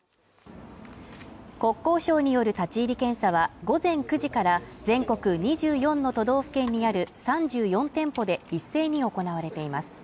国交省による立ち入り検査は午前９時から全国２４の都道府県にある３４店舗で一斉に行われています